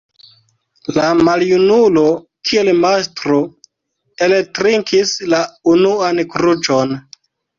La maljunulo, kiel mastro, eltrinkis la unuan kruĉon.